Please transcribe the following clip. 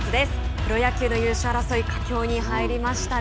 プロ野球の優勝争い佳境に入りましたね。